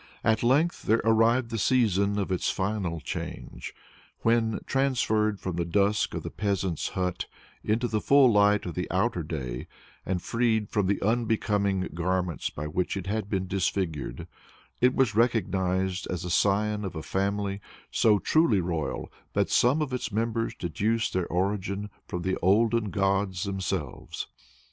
At length there arrived the season of its final change, when, transferred from the dusk of the peasant's hut into the full light of the outer day, and freed from the unbecoming garments by which it had been disfigured, it was recognized as the scion of a family so truly royal that some of its members deduce their origin from the olden gods themselves.